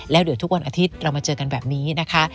แล้วเดี๋ยวทุกวันอาทิตย์เรามาเจอกันแบบนี้นะคะ